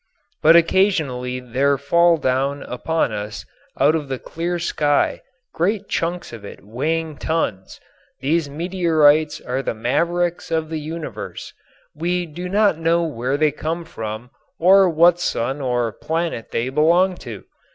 But occasionally there fall down upon us out of the clear sky great chunks of it weighing tons. These meteorites are the mavericks of the universe. We do not know where they come from or what sun or planet they belonged to.